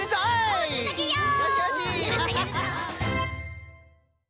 おつなげよう。